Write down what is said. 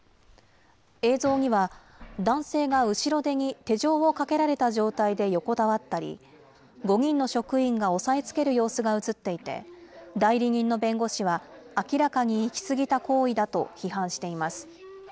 映像には、男性が後ろ手に手錠をかけられた状態で横たわったり、５人の職員が押さえつける様子が写っていて、代理人の弁護士は、明らかに行き過ぎた行為だと批判しています。